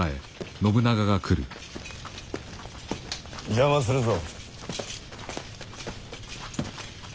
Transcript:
邪魔するぞ。